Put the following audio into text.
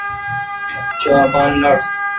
چو اپان نٹ۔